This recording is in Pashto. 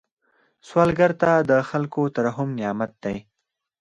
سوالګر ته د خلکو ترحم نعمت دی